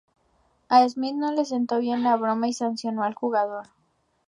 A Smith no le sentó bien la broma y sancionó al jugador.